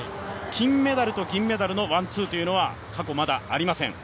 金メダルと銀メダルのワンツーというのは、過去まだありません。